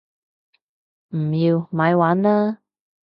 唔要！咪玩啦